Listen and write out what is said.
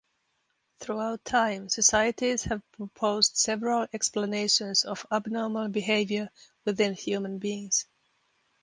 Throughout time, societies have proposed several explanations of abnormal behavior within human beings.